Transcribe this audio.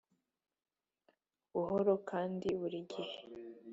buhoro kandi burigihe